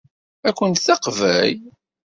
Ad ken-teqbel?